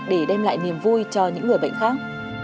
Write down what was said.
để đem lại niềm vui cho những người bệnh khác